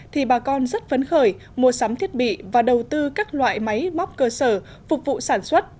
thì bà con rất phấn khởi mua sắm thiết bị và đầu tư các loại máy móc cơ sở phục vụ sản xuất